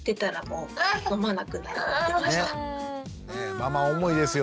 ママ思いですよ